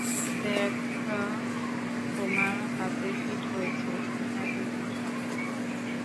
দেখ তোমার হাতে ফিট হয়েছে, - টিনা, তুমিও না।